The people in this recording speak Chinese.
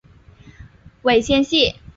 尾纤细。